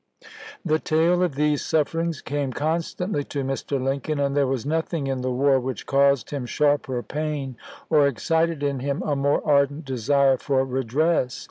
The tale of these sufferings came constantly to Mr. Lincoln, and there was nothing in the war which caused him sharper pain or excited in him a more ardent desire for redress.